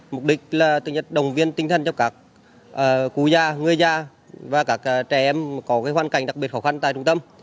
mục đích là tự nhiên đồng viên tinh thần cho các cú gia người gia và các trẻ em có cái hoàn cảnh đặc biệt khó khăn tại trung tâm